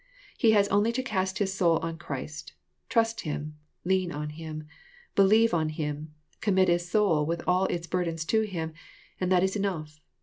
He has only to cast his soul on Christ, trust Him, lean on Him, believe on Him, commit his soul with all its burdens to Him, and that is enough.